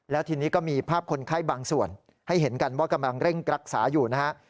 แล้วทีนี้ก็มีภาพคนไข้บางส่วนให้เห็นกันว่ากำลังเร่งรักษาอยู่นะฮะ